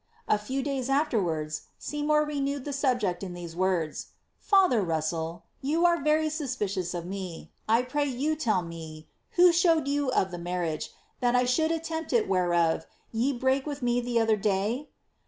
A few days afterwards, Sey mour renewed the subject in these words, '^ Father Russell, you are very suspicious of me ; I pray you tell me, who showed you of the marriage, that 1 should attempt, whereof, ye brake with roe the other day